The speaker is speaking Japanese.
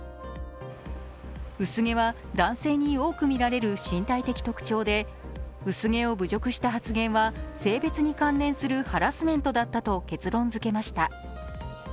薄毛は男性に多くみられる身体的特徴で薄毛を侮辱した発言は性別に関連するハラスメントだったと結論づけました。